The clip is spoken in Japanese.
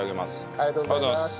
ありがとうございます。